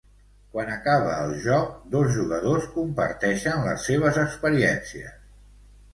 Quan acaba el joc dos jugadors comparteixen les seves experiències.